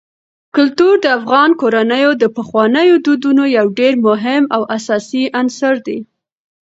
کلتور د افغان کورنیو د پخوانیو دودونو یو ډېر مهم او اساسي عنصر دی.